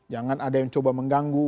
jangan ada yang coba mengganggu